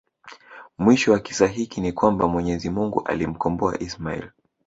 mwisho wa kisa hiki ni kwamba MwenyeziMungu alimkomboa Ismail